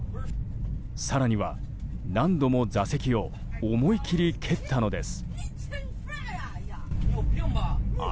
更には、何度も座席を思い切り蹴ったのです。